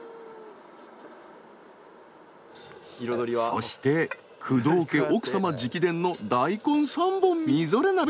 そして工藤家奥様直伝の大根３本みぞれ鍋も完成！